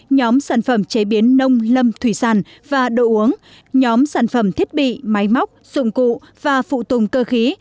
nhóm sản phẩm chế biến nông lâm thủy sản và đồ uống nhóm sản phẩm thiết bị máy móc dụng cụ và phụ tùng cơ khí